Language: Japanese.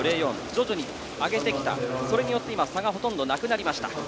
徐々に上げてきた、それによって差がほとんどなくなりました。